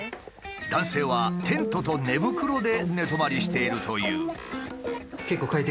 男性はテントと寝袋で寝泊まりしているという。